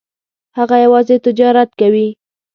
هغه یوازې تجارت کوي.